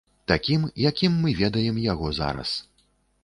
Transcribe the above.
Такім, якім мы ведаем яго зараз.